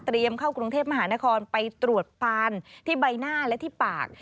เข้ากรุงเทพมหานครไปตรวจปานที่ใบหน้าและที่ปาก